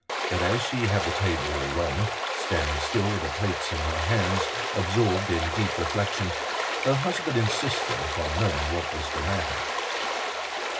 But, as she had the table all wrong, standing still with the plates in her hands, absorbed in deep reflection, her husband insisted upon knowing what was the matter.